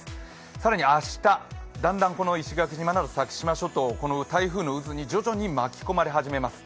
更に明日、だんだん石垣島や先島諸島、この台風の渦に徐々に巻き込まれ始めます。